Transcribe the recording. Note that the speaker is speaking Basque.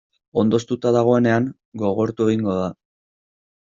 Ondo hoztuta dagoenean gogortu egingo da.